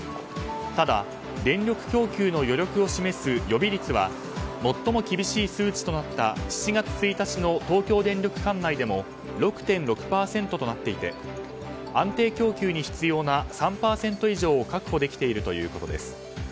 ただ、電力供給の余力を示す予備率は最も厳しい数値となった７月１日の東京電力管内でも６．６％となっていて安定供給に必要な３％以上を確保できているということです。